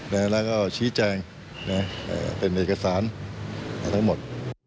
แล้วก็ชี้แจงเป็นเอกสารทั้งหมด